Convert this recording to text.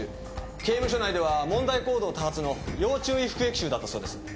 刑務所内では問題行動多発の要注意服役囚だったそうです。